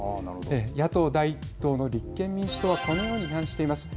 野党第１党の立憲民主党はこのように批判しています。